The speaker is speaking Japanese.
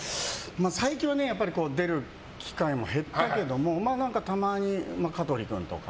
最近は出る機会も減ったけどもたまに香取君とか。